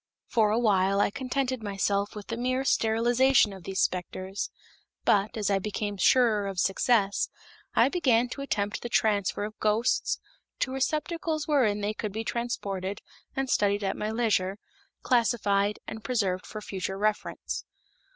For a while I contented myself with the mere sterilization of these specters, but, as I became surer of success, I began to attempt the transfer of ghosts to receptacles wherein they could be transported and studied at my leisure, classified and preserved for future reference.